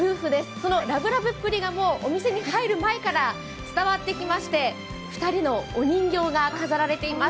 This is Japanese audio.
そのラブラブっぷりがお店に入る前から伝わってきまして２人のお人形が飾られています。